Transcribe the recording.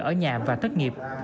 ở nhà và thất nghiệp